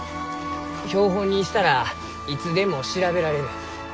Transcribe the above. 標本にしたらいつでも調べられる。